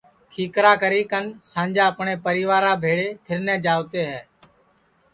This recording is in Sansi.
کھیکرا کری کن سانجا اپٹؔے پریوا بھیݪے پھیرنے جاوتے ہے